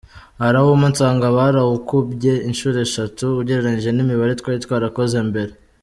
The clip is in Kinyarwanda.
Arawumpa nsanga barawukubye inshuro eshatu ugereranyije n’imibare twari twarakoze mbere.